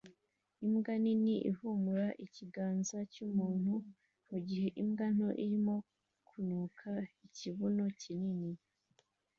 Imbwa nini ihumura ikiganza cyumuntu mugihe imbwa nto irimo kunuka ikibuno kinini